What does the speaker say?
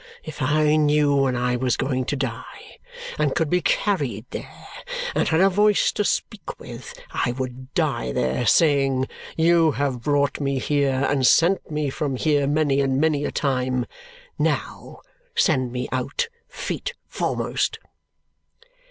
If I knew when I was going to die, and could be carried there, and had a voice to speak with, I would die there, saying, 'You have brought me here and sent me from here many and many a time. Now send me out feet foremost!'"